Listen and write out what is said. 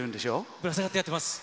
ぶら下がってやってます。